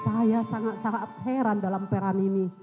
saya sangat sangat heran dalam peran ini